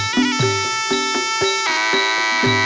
โชว์ที่สุดท้าย